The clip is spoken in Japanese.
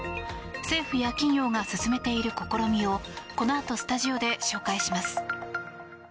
政府や企業が進めている試みをこのあとスタジオで紹介します。